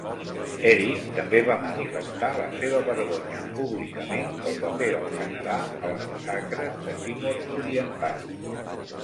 Eric també va manifestar la seva vergonya públicament pel paper del Canadà a les massacres de Timor Oriental.